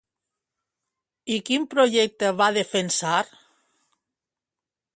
I quin projecte va defensar?